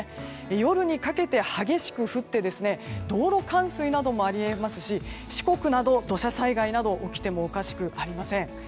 夜にかけて激しく降って道路冠水などもあり得ますし四国など土砂災害などが起きてもおかしくありません。